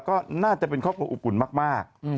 ก็น่าจะเป็นครอบครัวอบอุ่นมาก